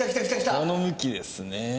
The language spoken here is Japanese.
この向きですね。